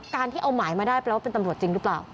ที่เอาหมายมาได้แปลว่าเป็นตำรวจจริงหรือเปล่า